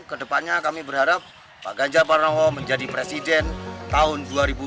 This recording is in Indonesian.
kedepannya kami berharap pak ganjar pranowo menjadi presiden tahun dua ribu dua puluh